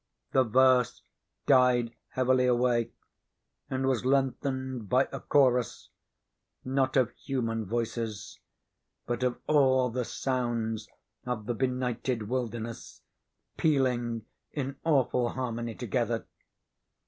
The verse died heavily away, and was lengthened by a chorus, not of human voices, but of all the sounds of the benighted wilderness pealing in awful harmony together.